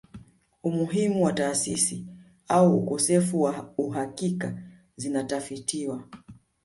Umuhimu wa taasisi au ukosefu wa uhakika zinatafitiwa